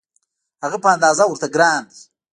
هغه په اندازه ورته ګران دی.